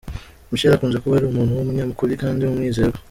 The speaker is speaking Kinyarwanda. Michel akunze kuba ari umuntu w’umunyakuri kandi w’umwizerwa.